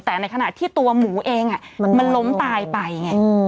แต่ในขณะที่ตัวหมูเองมันล้มตายไปไง